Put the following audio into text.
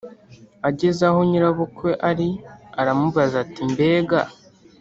Ageze aho nyirabukwe ari aramubaza ati mbega